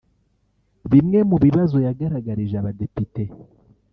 Bimwe mu bibazo yagaragarije abadepite